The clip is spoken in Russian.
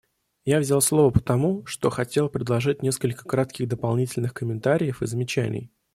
Я взял слово потому, что хотел предложить несколько кратких дополнительных комментариев и замечаний.